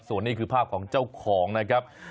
ส่วนนี้คือภาพของเจ้าของนะครับ